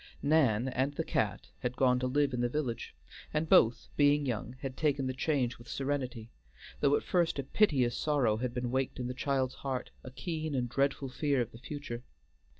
Nan and the cat had gone to live in the village, and both, being young, had taken the change with serenity; though at first a piteous sorrow had been waked in the child's heart, a keen and dreadful fear of the future.